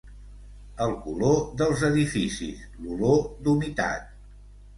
El color dels edificis, l'olor d'humitat...